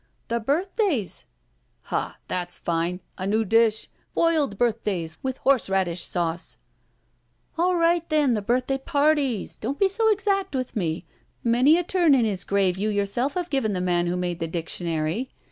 •'The birthdays." *'Ha! That's fine! A new dish. Boiled birth days with horseradish sauce." A11 right, then, the birthday parties. Don't be so exactly with me. Many a turn in his grave you yourself have given the man who made the dic tionary.